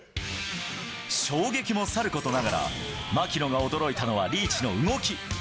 衝撃もさることながら、槙野が驚いたのは、リーチの動き。